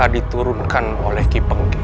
yang diturunkan oleh ki pengging